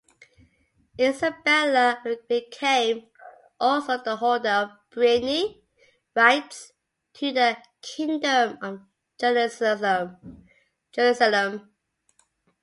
Isabella became also the holder of Brienne rights to the Kingdom of Jerusalem.